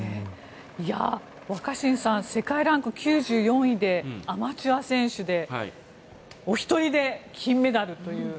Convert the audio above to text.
若新さん世界ランキング９４位でアマチュア選手でお一人で金メダルという。